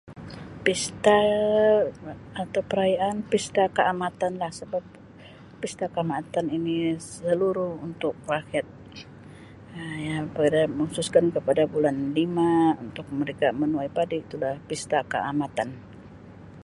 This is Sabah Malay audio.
Pesta Um atau perayaan Pesta Kaamatan lah sebab Pesta Kaamatan ini seluruh untuk rakyat Um yang mengkhususkan kepada bulan lima untuk mereka menuai padi tulah Pesta Kaamatan.